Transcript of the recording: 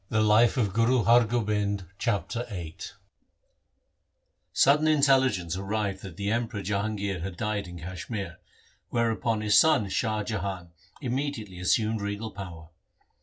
76 THE SIKH RELIGION Chapter VIII Sudden intelligence arrived that the Emperor Jahangir had died in Kashmir, whereupon his son Shah Jahan immediately assumed regal power.